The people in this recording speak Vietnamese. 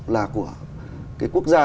là của quốc gia